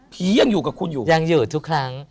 ยังอยู่กับคุณอยู่ยังเหยืดทุกครั้ง